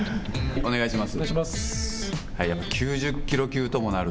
お願いします。